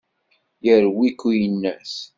Yerwi-k uyennat.